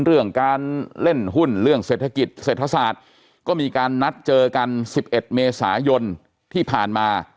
เรื่องการเล่นหุ้นเรื่องเศรษฐกิจเศรษฐศาสตร์ก็มีการนัดเจอกัน๑๑เมษายนที่ผ่านมา